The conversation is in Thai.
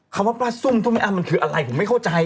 คำว่าปลาซุ่มมันคืออะไรผมไม่เข้าใจ